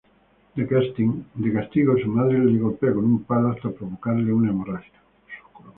De castigo, su madre lo golpea con un palo hasta provocarle una hemorragia.